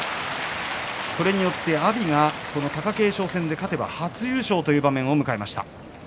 これによって阿炎はこの貴景勝戦に勝てば初優勝という場面を迎えました。